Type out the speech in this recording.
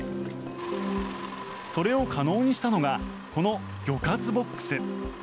それを可能にしたのがこの魚活ボックス。